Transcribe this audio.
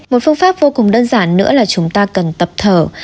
một phương pháp vô cùng đơn giản nữa là chúng ta cần tập thở